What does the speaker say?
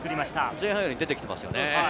前半より出てきてますね。